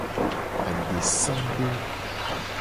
Adesade.